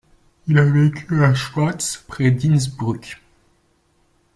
Il a vécu à Schwaz, près d'Innsbruck.